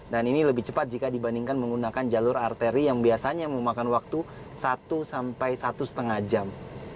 dan ini lebih cepat jika dibandingkan menggunakan jalur arteri yang biasanya memakan waktu satu sampai satu lima jam